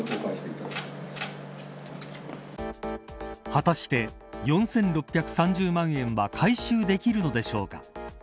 果たして４６３０万円は回収できるのでしょうか。